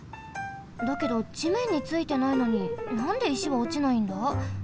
だけどじめんについてないのになんで石はおちないんだ？